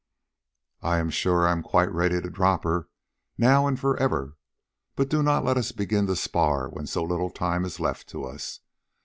"I am sure that I am quite ready to drop her now and for ever. But do not let us begin to spar when so little time is left to us.